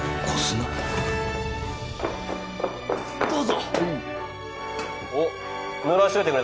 どうぞ